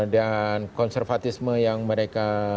dan konservatisme yang mereka